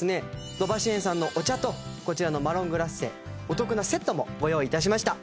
土橋園さんのお茶とこちらのマロングラッセお得なセットもご用意いたしました